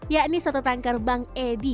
yakni soto tangkar bang edi